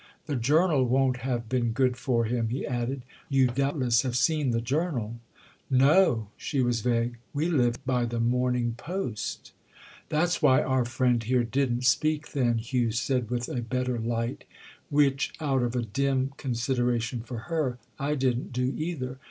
The 'Journal' won't have been good for him," he added—"you doubtless have seen the 'Journal'?" "No"—she was vague. "We live by the 'Morning Post.'" "That's why our friend here didn't speak then," Hugh said with a better light—"which, out of a dim consideration for her, I didn't do, either.